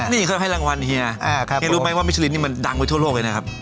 นี่เขาให้รางวัลเฮียเฮียรู้ไหมว่ามิชลินนี่มันดังไปทั่วโลกเลยนะครับ